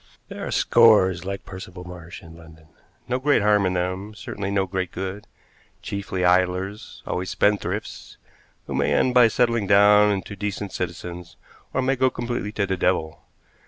There are scores like Percival Marsh in London; no great harm in them, certainly no great good; chiefly idlers, always spendthrifts, who may end by settling down into decent citizens or may go completely to the devil.